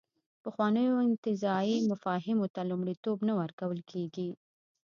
پخوانیو انتزاعي مفاهیمو ته لومړیتوب نه ورکول کېږي.